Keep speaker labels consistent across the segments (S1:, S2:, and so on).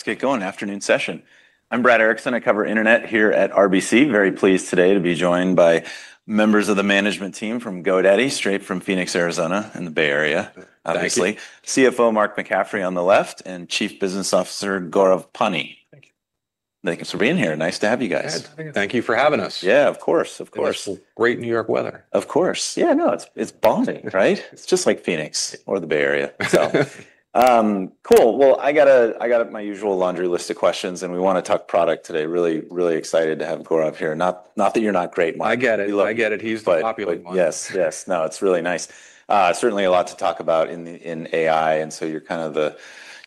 S1: Let's get going. Afternoon session. I'm Brad Erickson. I cover internet here at RBC. Very pleased today to be joined by members of the management team from GoDaddy, straight from Phoenix, Arizona, in the Bay Area.
S2: Thanks.
S1: Obviously. CFO Mark McCaffrey on the left and Chief Business Officer Gourav Pani.
S3: Thank you.
S1: Thanks for being here. Nice to have you guys.
S2: Thank you for having us.
S1: Yeah, of course. Of course.
S2: Great New York weather.
S1: Of course. Yeah, no, it's balmy, right? It's just like Phoenix or the Bay Area. Cool. I got my usual laundry list of questions, and we want to talk product today. Really, really excited to have Gourav here. Not that you're not great, Mark.
S2: I get it. I get it. He's the popular one.
S1: Yes, yes. No, it's really nice. Certainly a lot to talk about in AI. You're kind of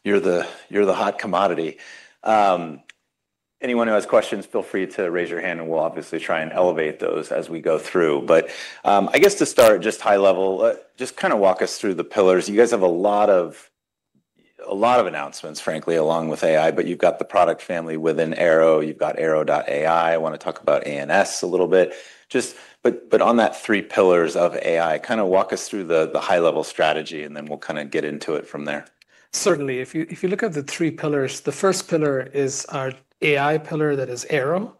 S1: the hot commodity. Anyone who has questions, feel free to raise your hand, and we'll obviously try and elevate those as we go through. I guess to start, just high level, just kind of walk us through the pillars. You guys have a lot of announcements, frankly, along with AI. You've got the product family within Airo. You've got Airo.ai. I want to talk about ANS a little bit. On that three pillars of AI, kind of walk us through the high level strategy, and then we'll kind of get into it from there.
S3: Certainly. If you look at the three pillars, the first pillar is our AI pillar that is Airo,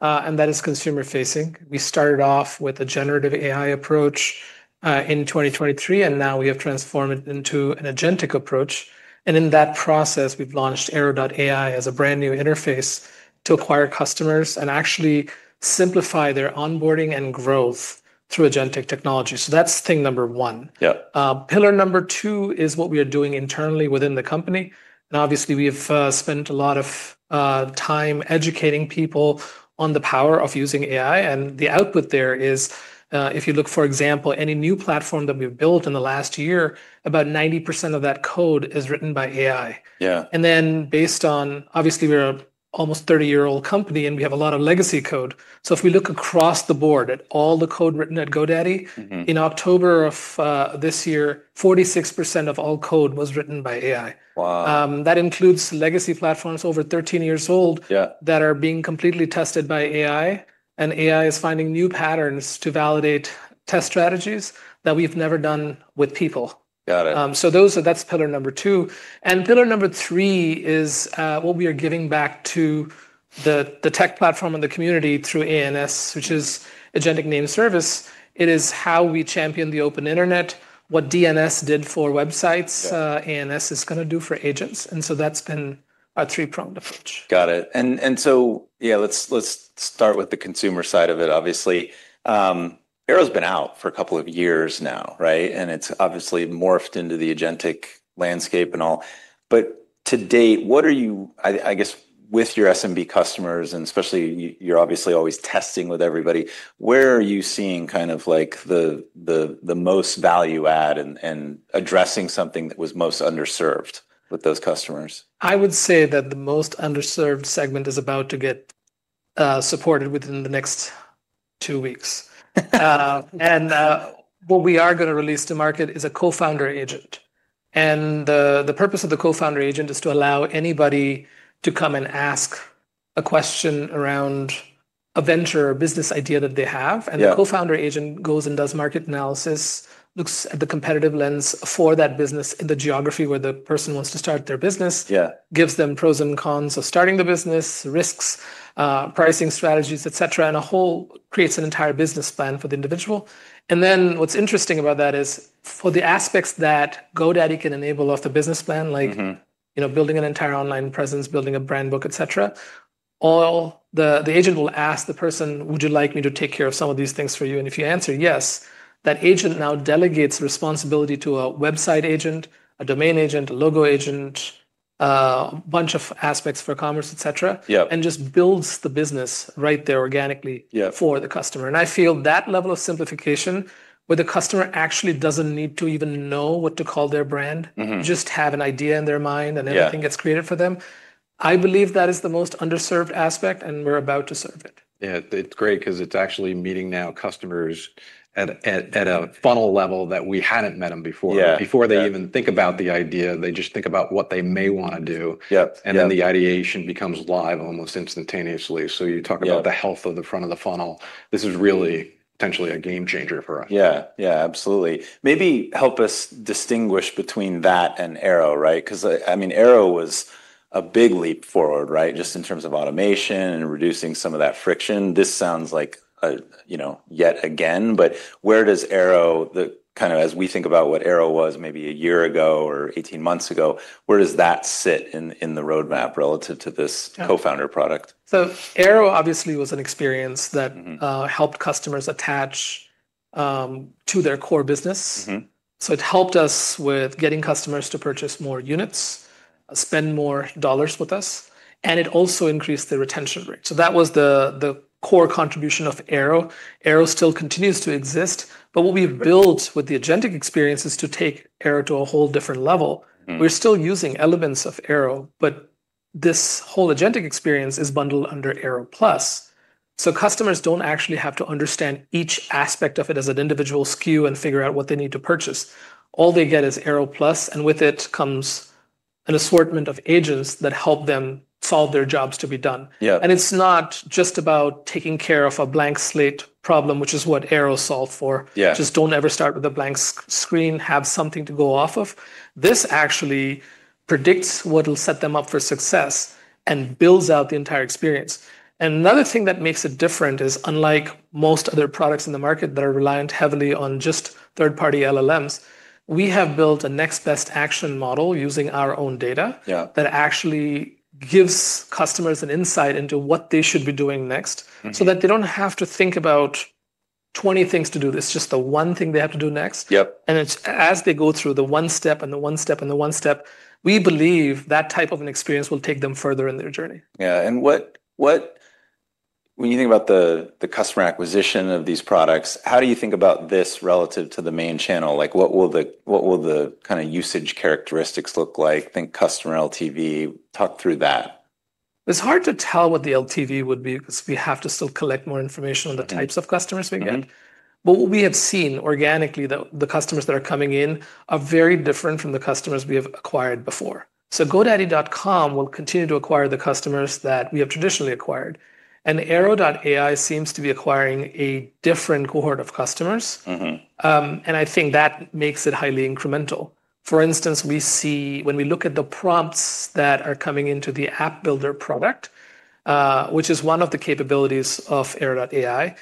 S3: and that is consumer facing. We started off with a generative AI approach in 2023, and now we have transformed it into an agentic approach. In that process, we've launched Airo.ai as a brand new interface to acquire customers and actually simplify their onboarding and growth through agentic technology. That is thing number one. Pillar number two is what we are doing internally within the company. Obviously, we have spent a lot of time educating people on the power of using AI. The output there is, if you look, for example, any new platform that we've built in the last year, about 90% of that code is written by AI. Based on, obviously, we're an almost 30-year-old company, and we have a lot of legacy code. If we look across the board at all the code written at GoDaddy, in October of this year, 46% of all code was written by AI. That includes legacy platforms over 13 years old that are being completely tested by AI. AI is finding new patterns to validate test strategies that we've never done with people. That's pillar number two. Pillar number three is what we are giving back to the tech platform and the community through ANS, which is Agent Name Service. It is how we champion the open internet, what DNS did for websites, ANS is going to do for agents. That's been our three-pronged approach.
S1: Got it. Yeah, let's start with the consumer side of it, obviously. Airo's been out for a couple of years now, right? It's obviously morphed into the agentic landscape and all. To date, what are you, I guess, with your SMB customers, and especially you're obviously always testing with everybody, where are you seeing kind of the most value add and addressing something that was most underserved with those customers?
S3: I would say that the most underserved segment is about to get supported within the next two weeks. What we are going to release to market is a Co-Founder Agent. The purpose of the Co-Founder Agent is to allow anybody to come and ask a question around a venture or business idea that they have. The Co-Founder Agent goes and does market analysis, looks at the competitive lens for that business in the geography where the person wants to start their business, gives them pros and cons of starting the business, risks, pricing strategies, et cetera, and creates an entire business plan for the individual. What's interesting about that is for the aspects that GoDaddy can enable off the business plan, like building an entire online presence, building a brand book, et cetera, the agent will ask the person, "Would you like me to take care of some of these things for you?" If you answer yes, that agent now delegates responsibility to a Website Agent, a Domain Agent, a Logo Agent, a bunch of aspects for commerce, et cetera, and just builds the business right there organically for the customer. I feel that level of simplification where the customer actually doesn't need to even know what to call their brand, just have an idea in their mind, and everything gets created for them. I believe that is the most underserved aspect, and we're about to serve it.
S1: Yeah, it's great because it's actually meeting now customers at a funnel level that we hadn't met them before. Before they even think about the idea, they just think about what they may want to do. And then the ideation becomes live almost instantaneously. You talk about the health of the front of the funnel. This is really potentially a game changer for us. Yeah, yeah, absolutely. Maybe help us distinguish between that and Airo, right? Because, I mean, Airo was a big leap forward, right? Just in terms of automation and reducing some of that friction. This sounds like yet again, but where does Airo, kind of as we think about what Airo was maybe a year ago or 18 months ago, where does that sit in the roadmap relative to this co-founder product?
S3: Airo, obviously, was an experience that helped customers attach to their core business. It helped us with getting customers to purchase more units, spend more dollars with us, and it also increased the retention rate. That was the core contribution of Airo. Airo still continues to exist, but what we've built with the agentic experience is to take Airo to a whole different level. We're still using elements of Airo, but this whole agentic experience is bundled under Airo Plus. Customers don't actually have to understand each aspect of it as an individual SKU and figure out what they need to purchase. All they get is Airo Plus, and with it comes an assortment of agents that help them solve their jobs to be done. It's not just about taking care of a blank slate problem, which is what Airo solved for. Just do not ever start with a blank screen. Have something to go off of. This actually predicts what will set them up for success and builds out the entire experience. Another thing that makes it different is, unlike most other products in the market that are reliant heavily on just third-party LLMs, we have built a next best action model using our own data that actually gives customers an insight into what they should be doing next so that they do not have to think about 20 things to do. It is just the one thing they have to do next. As they go through the one step and the one step and the one step, we believe that type of an experience will take them further in their journey.
S1: Yeah. When you think about the customer acquisition of these products, how do you think about this relative to the main channel? What will the kind of usage characteristics look like? Think customer LTV. Talk through that.
S3: It's hard to tell what the LTV would be because we have to still collect more information on the types of customers we get. What we have seen organically, the customers that are coming in are very different from the customers we have acquired before. godaddy.com will continue to acquire the customers that we have traditionally acquired. Airo.ai seems to be acquiring a different cohort of customers. I think that makes it highly incremental. For instance, when we look at the prompts that are coming into the App Builder product, which is one of the capabilities of Airo.ai,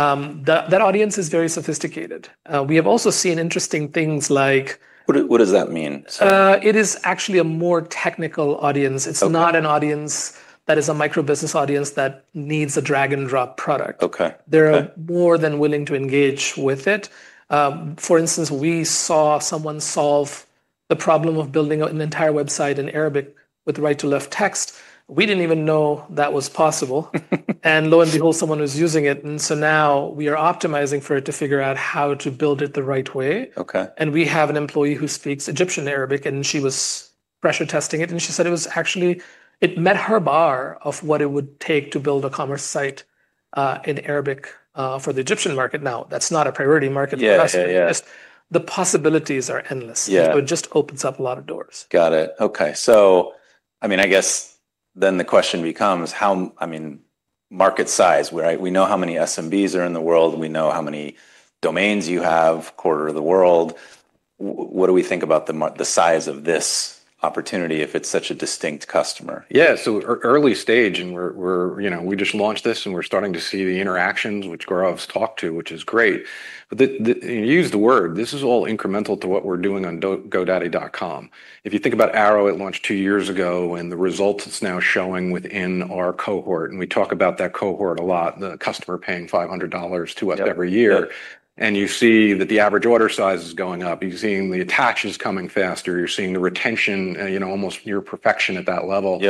S3: that audience is very sophisticated. We have also seen interesting things like.
S1: What does that mean?
S3: It is actually a more technical audience. It is not an audience that is a microbusiness audience that needs a drag-and-drop product. They are more than willing to engage with it. For instance, we saw someone solve the problem of building an entire website in Arabic with right-to-left text. We did not even know that was possible. Lo and behold, someone was using it. Now we are optimizing for it to figure out how to build it the right way. We have an employee who speaks Egyptian Arabic, and she was pressure testing it. She said it actually met her bar of what it would take to build a commerce site in Arabic for the Egyptian market. That is not a priority market for us. The possibilities are endless. It just opens up a lot of doors.
S1: Got it. Okay. So, I mean, I guess then the question becomes, I mean, market size, right? We know how many SMBs are in the world. We know how many domains you have, quarter of the world. What do we think about the size of this opportunity if it's such a distinct customer?
S2: Yeah. Early stage, and we just launched this, and we're starting to see the interactions which Gourav's talked to, which is great. You used the word. This is all incremental to what we're doing on godaddy.com. If you think about Airo, it launched two years ago, and the results it's now showing within our cohort. We talk about that cohort a lot, the customer paying $500 to us every year. You see that the average order size is going up. You're seeing the attaches coming faster. You're seeing the retention almost near perfection at that level.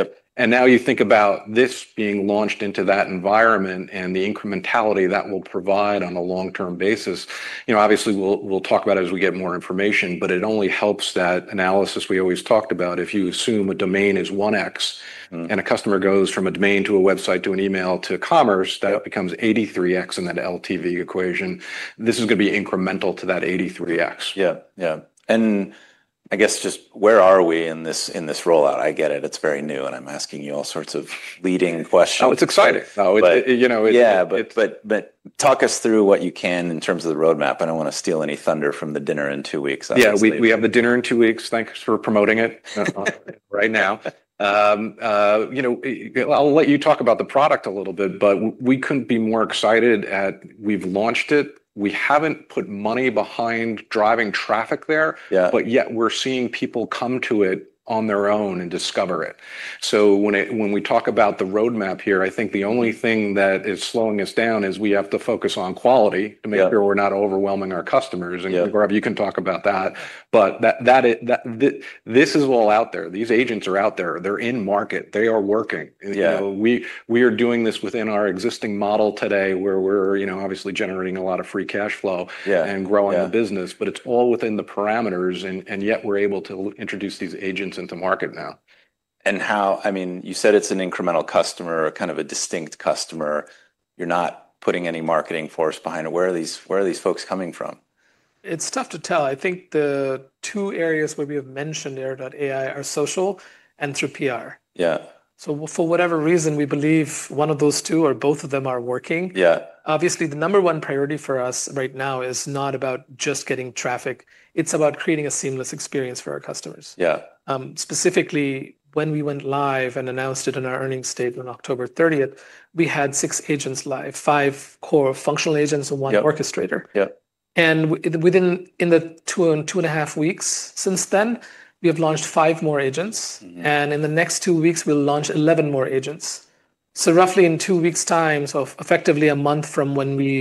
S2: Now you think about this being launched into that environment and the incrementality that will provide on a long-term basis. Obviously, we'll talk about it as we get more information, but it only helps that analysis we always talked about. If you assume a domain is 1x and a customer goes from a domain to a website to an email to commerce, that becomes 83x in that LTV equation. This is going to be incremental to that 83x.
S1: Yeah, yeah. I guess just where are we in this rollout? I get it. It's very new, and I'm asking you all sorts of leading questions.
S2: Oh, it's exciting.
S1: Yeah, but talk us through what you can in terms of the roadmap. I don't want to steal any thunder from the dinner in two weeks.
S2: Yeah, we have the dinner in two weeks. Thanks for promoting it right now. I'll let you talk about the product a little bit, but we couldn't be more excited. We've launched it. We haven't put money behind driving traffic there, but yet we're seeing people come to it on their own and discover it. When we talk about the roadmap here, I think the only thing that is slowing us down is we have to focus on quality to make sure we're not overwhelming our customers. Gourav, you can talk about that. This is all out there. These agents are out there. They're in market. They are working. We are doing this within our existing model today where we're obviously generating a lot of free cash flow and growing the business, but it's all within the parameters. Yet we're able to introduce these agents into market now.
S1: I mean, you said it's an incremental customer, kind of a distinct customer. You're not putting any marketing force behind it. Where are these folks coming from?
S3: It's tough to tell. I think the two areas where we have mentioned Airo.ai are social and through PR. For whatever reason, we believe one of those two or both of them are working. Obviously, the number one priority for us right now is not about just getting traffic. It's about creating a seamless experience for our customers. Specifically, when we went live and announced it in our earnings statement on October 30th, we had six agents live, five core functional agents and one orchestrator. Within the 2 1/2 weeks since then, we have launched five more agents. In the next two weeks, we'll launch 11 more agents. Roughly in two weeks' time, so effectively a month from when we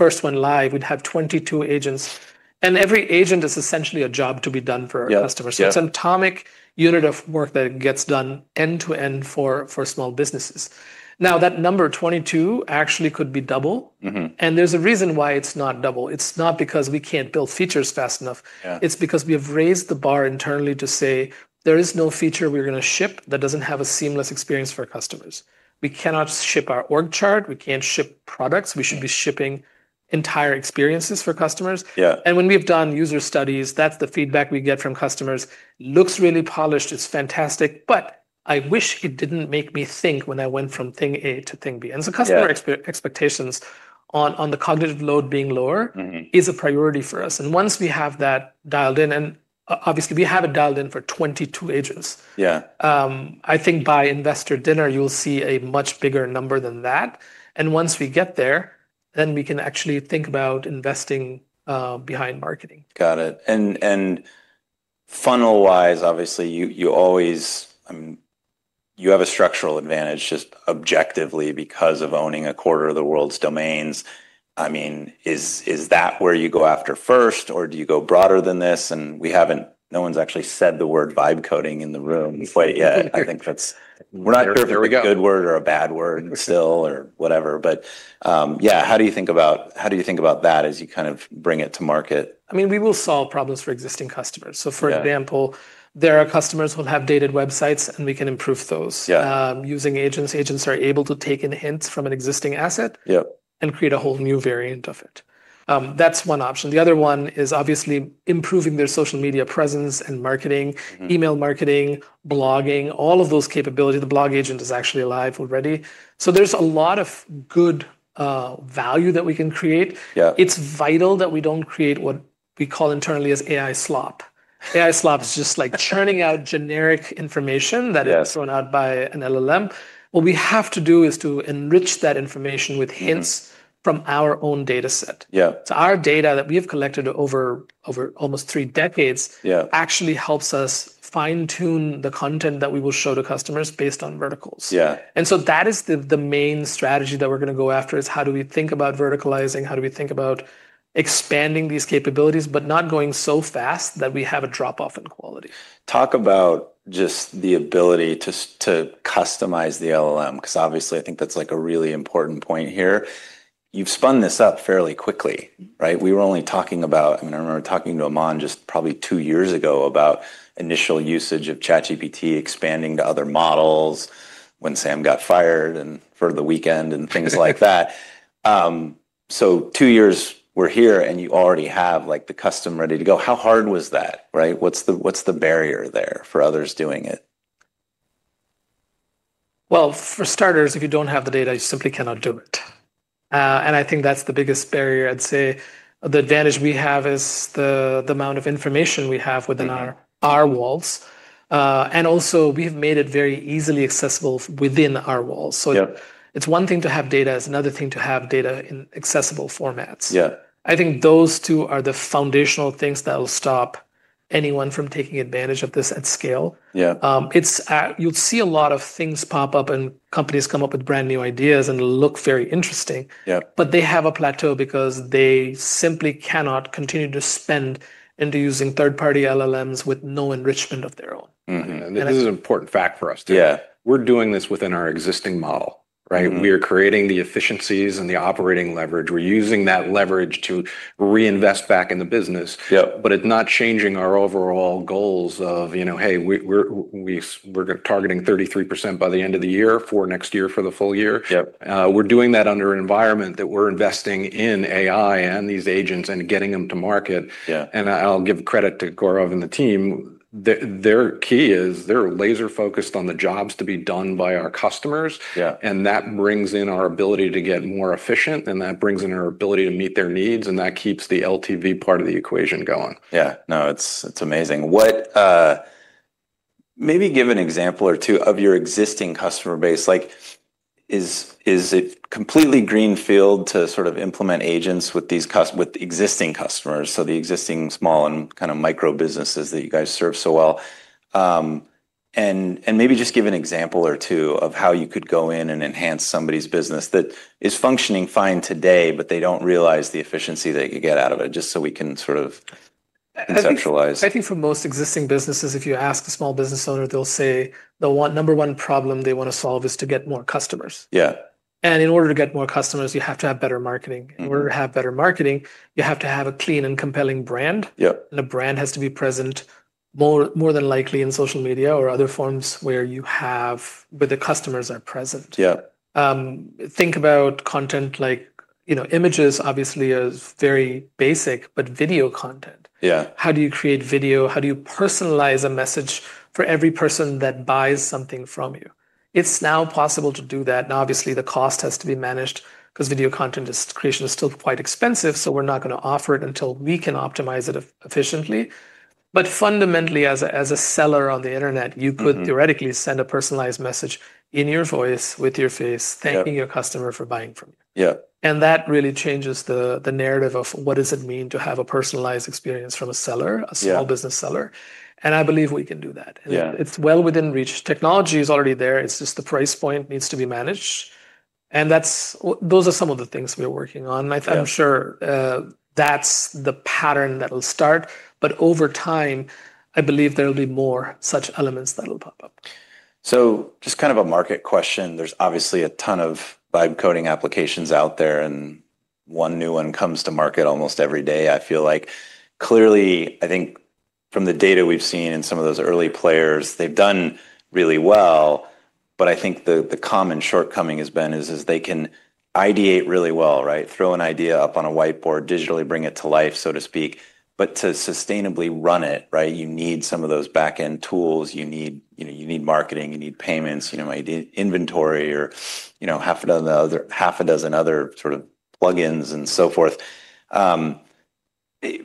S3: first went live, we'd have 22 agents. Every agent is essentially a job to be done for our customers. It is an atomic unit of work that gets done end-to-end for small businesses. Now, that number 22 actually could be double. There is a reason why it is not double. It is not because we cannot build features fast enough. It is because we have raised the bar internally to say, "There is no feature we are going to ship that does not have a seamless experience for customers." We cannot ship our org chart. We cannot ship products. We should be shipping entire experiences for customers. When we have done user studies, that is the feedback we get from customers. Looks really polished. It is fantastic. I wish it did not make me think when I went from thing A to thing B. Customer expectations on the cognitive load being lower is a priority for us. Once we have that dialed in, and obviously, we have it dialed in for 22 agents, I think by investor dinner, you'll see a much bigger number than that. Once we get there, then we can actually think about investing behind marketing.
S1: Got it. Funnel-wise, obviously, you always, I mean, you have a structural advantage just objectively because of owning a quarter of the world's domains. I mean, is that where you go after first, or do you go broader than this? No one's actually said the word vibe coding in the room quite yet. I think we're not sure if it's a good word or a bad word still or whatever. Yeah, how do you think about that as you kind of bring it to market?
S3: I mean, we will solve problems for existing customers. For example, there are customers who have dated websites, and we can improve those using agents. Agents are able to take in hints from an existing asset and create a whole new variant of it. That is one option. The other one is obviously improving their social media presence and marketing, email marketing, blogging, all of those capabilities. The Blog Agent is actually live already. There is a lot of good value that we can create. It is vital that we do not create what we call internally as AI slop. AI slop is just like churning out generic information that is thrown out by an LLM. What we have to do is to enrich that information with hints from our own data set. Our data that we have collected over almost three decades actually helps us fine-tune the content that we will show to customers based on verticals. That is the main strategy that we're going to go after, is how do we think about verticalizing, how do we think about expanding these capabilities, but not going so fast that we have a drop-off in quality.
S1: Talk about just the ability to customize the LLM because obviously, I think that's like a really important point here. You've spun this up fairly quickly, right? We were only talking about, I mean, I remember talking to Aman just probably two years ago about initial usage of ChatGPT expanding to other models when Sam got fired and for the weekend and things like that. So two years we're here, and you already have the customer ready to go. How hard was that, right? What's the barrier there for others doing it?
S3: If you do not have the data, you simply cannot do it. I think that is the biggest barrier. I would say the advantage we have is the amount of information we have within our walls. Also, we have made it very easily accessible within our walls. It is one thing to have data; it is another thing to have data in accessible formats. I think those two are the foundational things that will stop anyone from taking advantage of this at scale. You will see a lot of things pop up, and companies come up with brand new ideas and look very interesting. They have a plateau because they simply cannot continue to spend into using third-party LLMs with no enrichment of their own.
S2: This is an important fact for us too. We're doing this within our existing model, right? We are creating the efficiencies and the operating leverage. We're using that leverage to reinvest back in the business. It's not changing our overall goals of, "Hey, we're targeting 33% by the end of the year for next year for the full year." We're doing that under an environment that we're investing in AI and these agents and getting them to market. I'll give credit to Gourav and the team. Their key is they're laser-focused on the jobs to be done by our customers. That brings in our ability to get more efficient, and that brings in our ability to meet their needs. That keeps the LTV part of the equation going.
S1: Yeah. No, it's amazing. Maybe give an example or two of your existing customer base. Is it completely greenfield to sort of implement agents with existing customers, the existing small and kind of micro businesses that you guys serve so well? Maybe just give an example or two of how you could go in and enhance somebody's business that is functioning fine today, but they don't realize the efficiency they could get out of it, just so we can sort of conceptualize.
S3: I think for most existing businesses, if you ask a small business owner, they'll say their number one problem they want to solve is to get more customers. In order to get more customers, you have to have better marketing. In order to have better marketing, you have to have a clean and compelling brand. A brand has to be present more than likely in social media or other forms where the customers are present. Think about content like images, obviously, is very basic, but video content. How do you create video? How do you personalize a message for every person that buys something from you? It's now possible to do that. Now, obviously, the cost has to be managed because video content creation is still quite expensive. We're not going to offer it until we can optimize it efficiently. Fundamentally, as a seller on the internet, you could theoretically send a personalized message in your voice with your face, thanking your customer for buying from you. That really changes the narrative of what it means to have a personalized experience from a seller, a small business seller. I believe we can do that. It is well within reach. Technology is already there. The price point just needs to be managed. Those are some of the things we are working on. I am sure that is the pattern that will start. Over time, I believe there will be more such elements that will pop up.
S1: Just kind of a market question. There's obviously a ton of vibe coding applications out there, and one new one comes to market almost every day, I feel like. Clearly, I think from the data we've seen in some of those early players, they've done really well. I think the common shortcoming has been is they can ideate really well, right? Throw an idea up on a whiteboard, digitally bring it to life, so to speak. To sustainably run it, right, you need some of those back-end tools. You need marketing. You need payments, inventory, or half a dozen other sort of plugins and so forth. The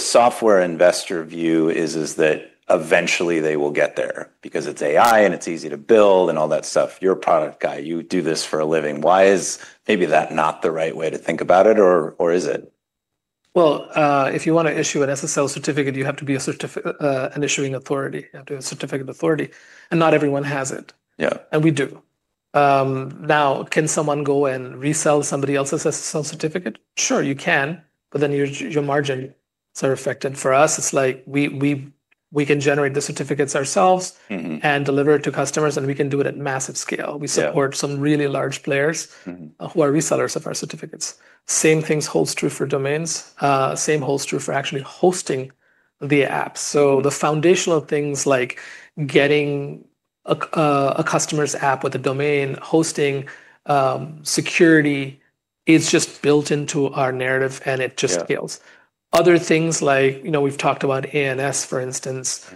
S1: software investor view is that eventually they will get there because it's AI and it's easy to build and all that stuff. You're a product guy. You do this for a living. Why is maybe that not the right way to think about it, or is it?
S3: If you want to issue an SSL certificate, you have to be an issuing authority. You have to have a certificate authority. Not everyone has it. We do. Now, can someone go and resell somebody else's SSL certificate? Sure, you can. Then your margins are affected. For us, it's like we can generate the certificates ourselves and deliver it to customers, and we can do it at massive scale. We support some really large players who are resellers of our certificates. Same things hold true for domains. Same holds true for actually hosting the app. The foundational things like getting a customer's app with a domain, hosting, security is just built into our narrative, and it just scales. Other things like we've talked about ANS, for instance.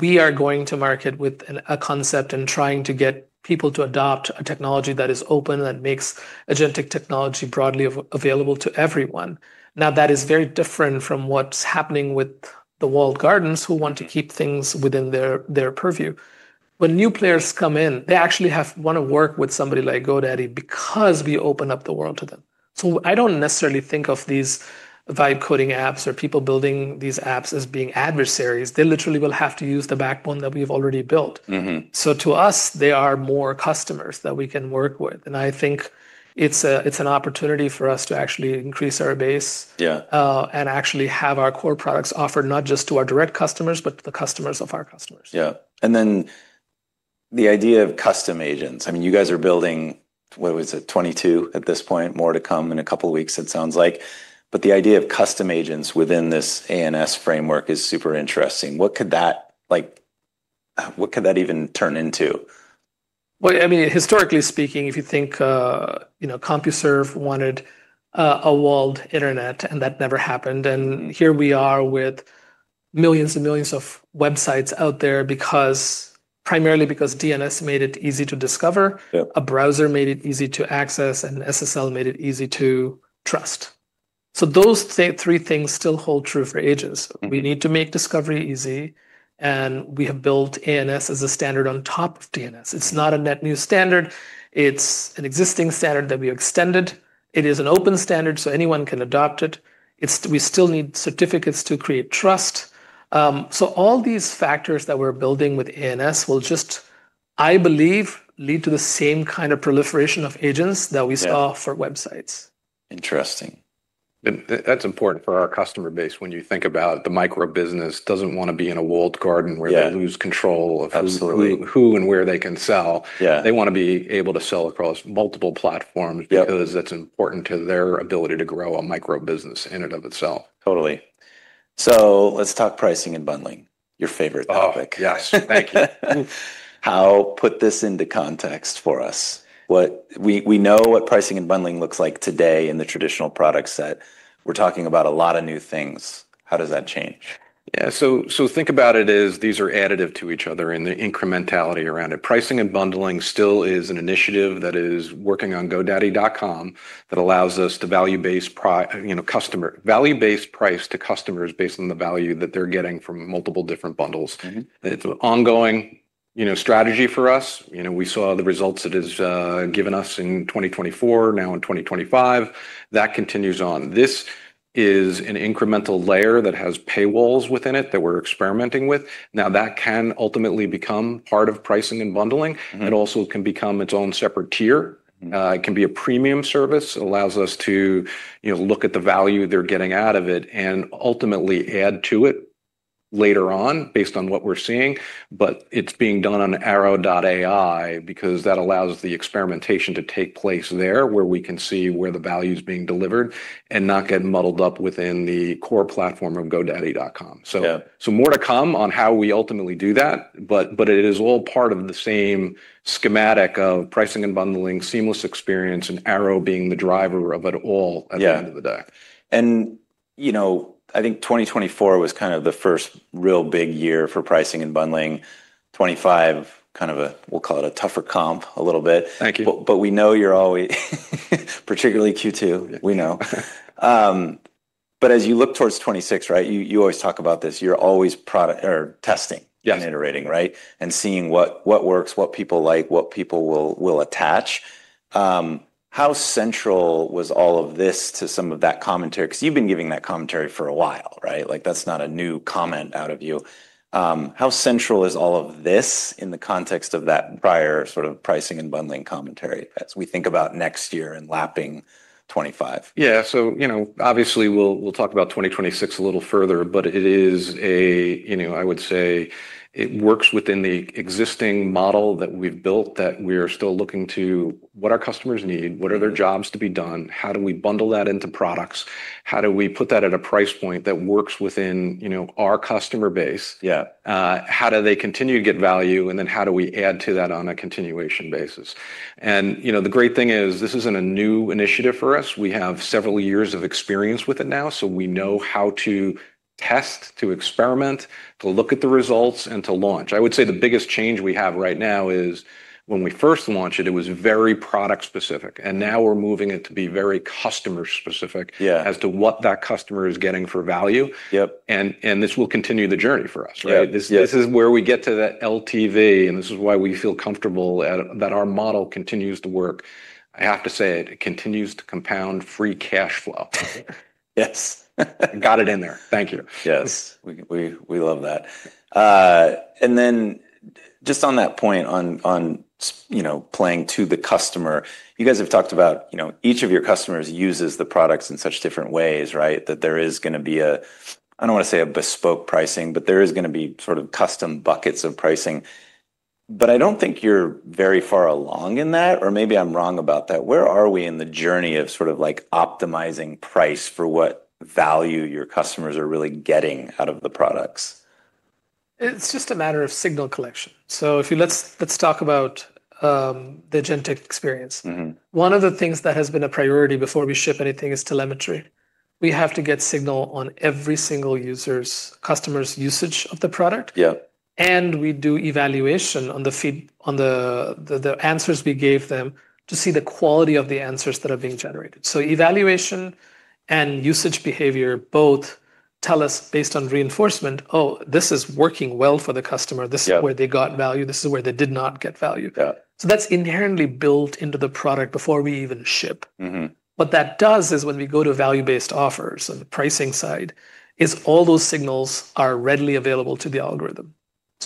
S3: We are going to market with a concept and trying to get people to adopt a technology that is open, that makes agentic technology broadly available to everyone. That is very different from what's happening with the walled gardens who want to keep things within their purview. When new players come in, they actually want to work with somebody like GoDaddy because we open up the world to them. I do not necessarily think of these vibe coding apps or people building these apps as being adversaries. They literally will have to use the backbone that we have already built. To us, they are more customers that we can work with. I think it is an opportunity for us to actually increase our base and actually have our core products offered not just to our direct customers, but to the customers of our customers.
S1: Yeah. And then the idea of custom agents. I mean, you guys are building, what was it, 22 at this point, more to come in a couple of weeks, it sounds like. The idea of custom agents within this ANS framework is super interesting. What could that even turn into?
S3: I mean, historically speaking, if you think CompuServe wanted a walled internet and that never happened. Here we are with millions and millions of websites out there primarily because DNS made it easy to discover, a browser made it easy to access, and SSL made it easy to trust. Those three things still hold true for agents. We need to make discovery easy, and we have built ANS as a standard on top of DNS. It is not a net new standard. It is an existing standard that we extended. It is an open standard, so anyone can adopt it. We still need certificates to create trust. All these factors that we are building with ANS will just, I believe, lead to the same kind of proliferation of agents that we saw for websites.
S1: Interesting.
S2: That's important for our customer base when you think about the micro business doesn't want to be in a walled garden where they lose control of who and where they can sell. They want to be able to sell across multiple platforms because that's important to their ability to grow a micro business in and of itself.
S1: Totally. Let's talk pricing and bundling, your favorite topic.
S2: Yes, thank you.
S1: How, put this into context for us? We know what pricing and bundling looks like today in the traditional product set. We're talking about a lot of new things. How does that change?
S2: Yeah. Think about it as these are additive to each other and the incrementality around it. Pricing and bundling still is an initiative that is working on GoDaddy.com that allows us to value-based price to customers based on the value that they're getting from multiple different bundles. It's an ongoing strategy for us. We saw the results it has given us in 2024, now in 2025. That continues on. This is an incremental layer that has paywalls within it that we're experimenting with. That can ultimately become part of pricing and bundling. It also can become its own separate tier. It can be a premium service. It allows us to look at the value they're getting out of it and ultimately add to it later on based on what we're seeing. It is being done on Airo.ai because that allows the experimentation to take place there where we can see where the value is being delivered and not get muddled up within the core platform of GoDaddy.com. More to come on how we ultimately do that. It is all part of the same schematic of pricing and bundling, seamless experience, and Airo being the driver of it all at the end of the day.
S1: I think 2024 was kind of the first real big year for pricing and bundling. 2025, kind of a, we'll call it a tougher comp a little bit.
S2: Thank you.
S1: We know you're always, particularly Q2, we know. As you look towards 2026, right, you always talk about this. You're always testing and iterating, right, and seeing what works, what people like, what people will attach. How central was all of this to some of that commentary? Because you've been giving that commentary for a while, right? That's not a new comment out of you. How central is all of this in the context of that prior sort of pricing and bundling commentary as we think about next year and lapping 2025?
S2: Yeah. Obviously, we'll talk about 2026 a little further, but it is a, I would say, it works within the existing model that we've built that we are still looking to what our customers need, what are their jobs to be done, how do we bundle that into products, how do we put that at a price point that works within our customer base, how do they continue to get value, and then how do we add to that on a continuation basis. The great thing is this isn't a new initiative for us. We have several years of experience with it now. We know how to test, to experiment, to look at the results, and to launch. I would say the biggest change we have right now is when we first launched it, it was very product-specific. We are moving it to be very customer-specific as to what that customer is getting for value. This will continue the journey for us, right? This is where we get to that LTV, and this is why we feel comfortable that our model continues to work. I have to say it continues to compound free cash flow.
S1: Yes. Got it in there. Thank you. Yes. We love that. And then just on that point on playing to the customer, you guys have talked about each of your customers uses the products in such different ways, right, that there is going to be a, I do not want to say a bespoke pricing, but there is going to be sort of custom buckets of pricing. I do not think you are very far along in that, or maybe I am wrong about that. Where are we in the journey of sort of optimizing price for what value your customers are really getting out of the products?
S3: It's just a matter of signal collection. Let's talk about the agentic experience. One of the things that has been a priority before we ship anything is telemetry. We have to get signal on every single user's, customer's usage of the product. We do evaluation on the answers we gave them to see the quality of the answers that are being generated. Evaluation and usage behavior both tell us based on reinforcement, "Oh, this is working well for the customer. This is where they got value. This is where they did not get value." That is inherently built into the product before we even ship. What that does is when we go to value-based offers on the pricing side, all those signals are readily available to the algorithm.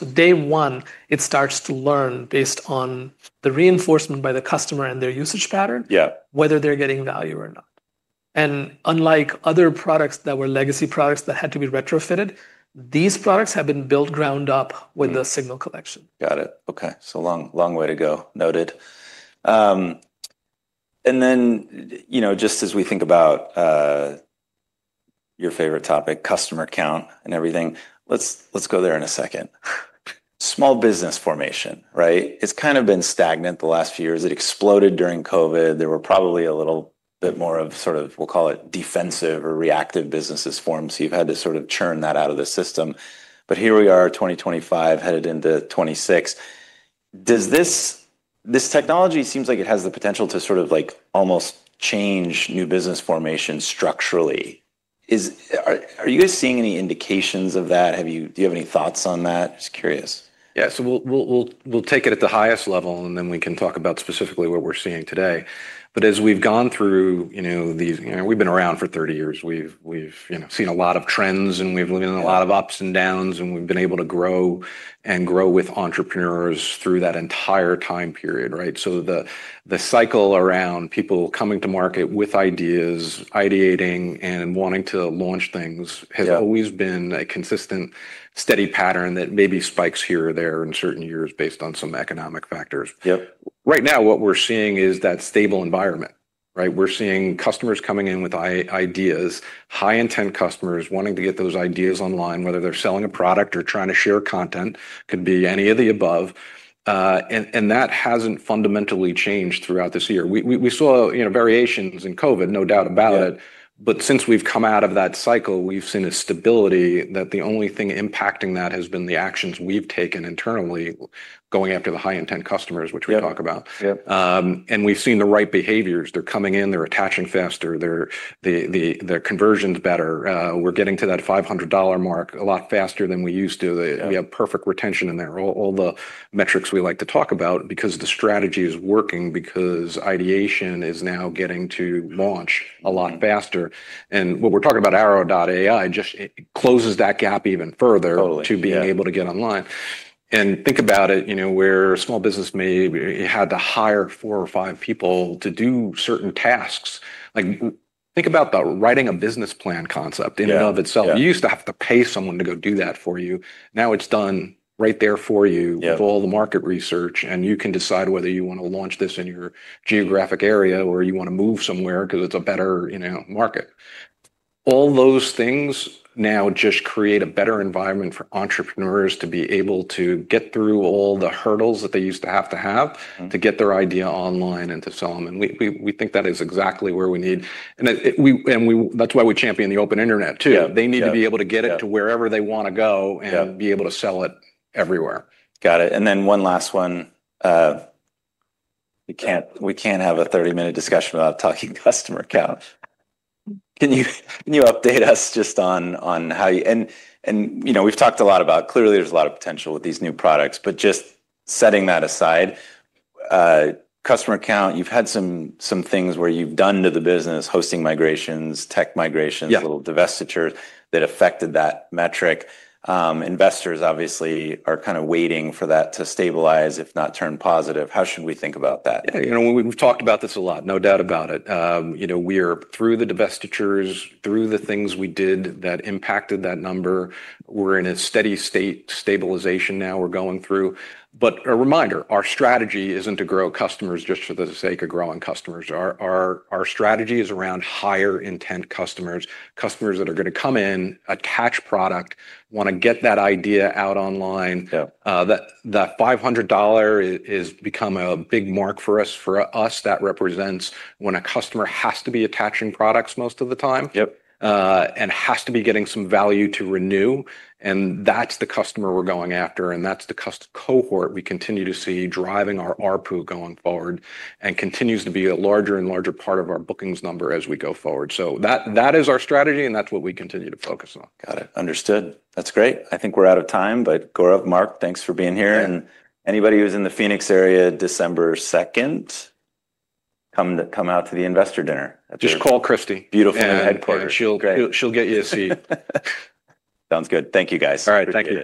S3: Day one, it starts to learn based on the reinforcement by the customer and their usage pattern, whether they're getting value or not. Unlike other products that were legacy products that had to be retrofitted, these products have been built ground up with the signal collection.
S1: Got it. Okay. Long way to go. Noted. Just as we think about your favorite topic, customer count and everything, let's go there in a second. Small business formation, right? It has kind of been stagnant the last few years. It exploded during COVID. There were probably a little bit more of sort of, we'll call it defensive or reactive businesses formed. You have had to sort of churn that out of the system. Here we are, 2025, headed into 2026. This technology seems like it has the potential to sort of almost change new business formation structurally. Are you guys seeing any indications of that? Do you have any thoughts on that? Just curious.
S2: Yeah. We'll take it at the highest level, and then we can talk about specifically what we're seeing today. As we've gone through these, we've been around for 30 years. We've seen a lot of trends, and we've lived in a lot of ups and downs, and we've been able to grow and grow with entrepreneurs through that entire time period, right? The cycle around people coming to market with ideas, ideating, and wanting to launch things has always been a consistent, steady pattern that maybe spikes here or there in certain years based on some economic factors. Right now, what we're seeing is that stable environment, right? We're seeing customers coming in with ideas, high-intent customers wanting to get those ideas online, whether they're selling a product or trying to share content, could be any of the above. That hasn't fundamentally changed throughout this year. We saw variations in COVID, no doubt about it. Since we've come out of that cycle, we've seen a stability that the only thing impacting that has been the actions we've taken internally going after the high-intent customers, which we talk about. We've seen the right behaviors. They're coming in. They're attaching faster. Their conversion's better. We're getting to that $500 mark a lot faster than we used to. We have perfect retention in there. All the metrics we like to talk about because the strategy is working, because ideation is now getting to launch a lot faster. What we're talking about, Airo.ai, just closes that gap even further to being able to get online. Think about it where a small business maybe had to hire four or five people to do certain tasks. Think about the writing a business plan concept in and of itself. You used to have to pay someone to go do that for you. Now it's done right there for you with all the market research, and you can decide whether you want to launch this in your geographic area or you want to move somewhere because it's a better market. All those things now just create a better environment for entrepreneurs to be able to get through all the hurdles that they used to have to get their idea online and to sell them. We think that is exactly where we need. That is why we champion the open internet too. They need to be able to get it to wherever they want to go and be able to sell it everywhere.
S1: Got it. One last one. We can't have a 30-minute discussion without talking customer count. Can you update us just on how you, and we've talked a lot about clearly there's a lot of potential with these new products, but just setting that aside, customer count, you've had some things where you've done to the business, hosting migrations, tech migrations, little divestitures that affected that metric. Investors, obviously, are kind of waiting for that to stabilize, if not turn positive. How should we think about that?
S2: We've talked about this a lot, no doubt about it. We are through the divestitures, through the things we did that impacted that number. We're in a steady state stabilization now we're going through. A reminder, our strategy isn't to grow customers just for the sake of growing customers. Our strategy is around higher intent customers, customers that are going to come in, attach product, want to get that idea out online. The $500 has become a big mark for us that represents when a customer has to be attaching products most of the time and has to be getting some value to renew. That's the customer we're going after, and that's the customer cohort we continue to see driving our ARPU going forward and continues to be a larger and larger part of our bookings number as we go forward. That is our strategy, and that's what we continue to focus on.
S1: Got it. Understood. That's great. I think we're out of time, but Gourav, Mark, thanks for being here. Anybody who's in the Phoenix area December 2nd, come out to the Investor Dinner.
S2: Just call Christie. Beautiful headquarters. She'll get you a seat.
S1: Sounds good. Thank you, guys.
S2: All right. Thank you.